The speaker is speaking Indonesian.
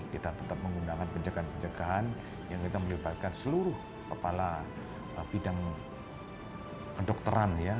kita tetap menggunakan pencegahan pencegahan yang kita melibatkan seluruh kepala bidang kedokteran ya